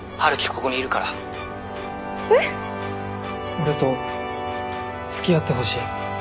俺と付き合ってほしい。